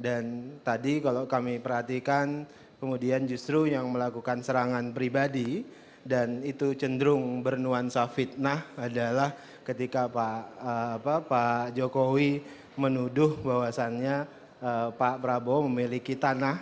dan tadi kalau kami perhatikan kemudian justru yang melakukan serangan pribadi dan itu cenderung bernuansa fitnah adalah ketika pak jokowi menuduh bahwasannya pak prabowo memiliki tanah